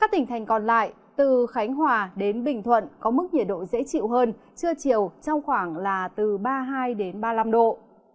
tỉnh thành còn lại từ khánh hòa đến bình thuận có mức nhiệt độ dễ chịu hơn chưa chịu trong khoảng là từ ba mươi hai ba mươi năm độc